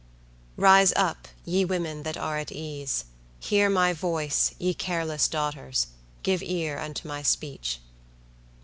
"Rise up, ye women that are at ease! Hear my voice, ye careless daughters! Give ear unto my speech."